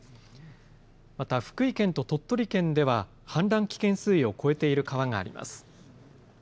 また福井県と鳥取県では氾濫危険水位を超えている川があります。